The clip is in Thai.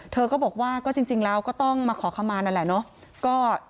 เธอก็บอกว่าก็จริงแล้วก็ต้องมาขอขมานั่นแหละเนาะ